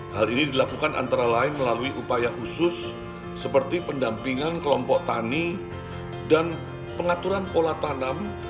hal ini dilakukan antara lain melalui upaya khusus seperti pendampingan kelompok tani dan pengaturan pola tanam